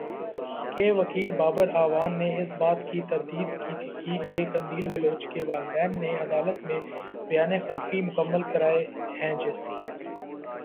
کے وکیل بابر اعوان نے اس بات کی تردید کی کہ قندیل بلوچ کے والدین نے عدالت میں بیان حلفی مکمل کرائے ہیں جس